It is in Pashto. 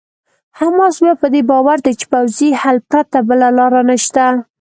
حماس بیا په دې باور دی چې پوځي حل پرته بله چاره نشته.